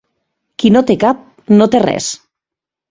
Qui no té cap, no té res.